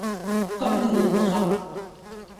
ก่อนอื่นเลยนะครับ